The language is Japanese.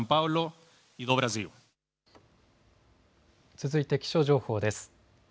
続いて気象情報です。